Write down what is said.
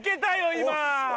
今！